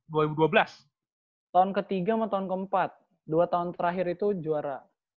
tahun ketiga sama tahun keempat dua tahun terakhir itu juara